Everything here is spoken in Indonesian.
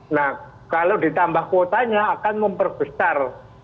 nah kalau ditambah kuotanya akan memperbesar